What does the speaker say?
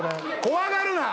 怖がるな。